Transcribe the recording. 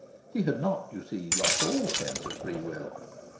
He had not, you see, lost all sense of free will.